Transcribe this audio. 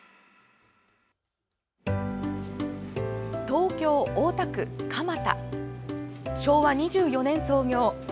東京・大田区蒲田昭和２４年創業。